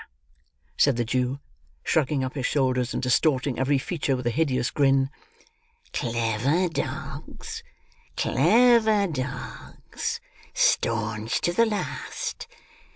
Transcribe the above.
said the Jew, shrugging up his shoulders, and distorting every feature with a hideous grin. "Clever dogs! Clever dogs! Staunch to the last!